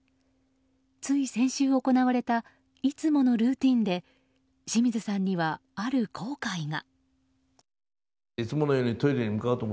つい先週行われたいつものルーティンで清水さんには、ある後悔が。